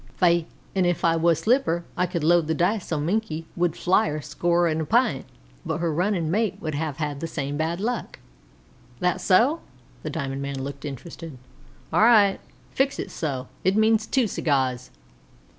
"Faix, an' if I wuz slipper I could load the dice so Minkie would flyer score a p'int, but her runnin' mate would have the same bad luck." "That so?" The diamond man looked interested. "All right fix it so; it means two cigars."